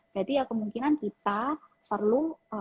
berarti ya kemungkinan kita perlu